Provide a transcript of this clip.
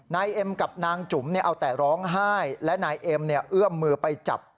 นายเอ็มกับนางจุ๋มเอาแต่ร้องไห้และนายเอ็มเอื้อมมือไปจับ